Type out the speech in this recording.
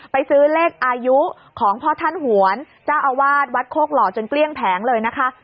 ไปซื้อเลขอายุของพ่อท่านหวนเจ้าอาวาสวัดโคกหล่อจนเกลี้ยงแผงเลยนะคะ